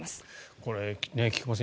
これ菊間さん